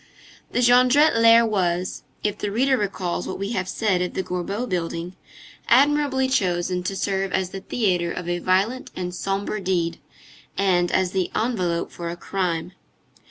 The Jondrette lair was, if the reader recalls what we have said of the Gorbeau building, admirably chosen to serve as the theatre of a violent and sombre deed, and as the envelope for a crime.